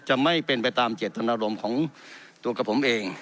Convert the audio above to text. ไม่เป็นไปตามเจตนารมณ์ของตัวกับผมเอง